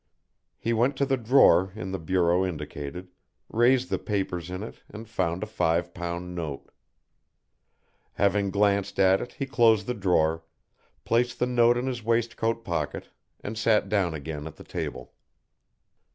He went to the drawer in the bureau indicated, raised the papers in it and found a five pound note. Having glanced at it he closed the drawer, placed the note in his waistcoat pocket and sat down again at the table.